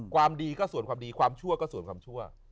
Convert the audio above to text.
ความดีก็ส่วนความดีความชั่วก็ส่วนความชั่ว